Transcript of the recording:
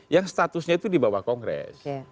yang statusnya itu di bawah kongres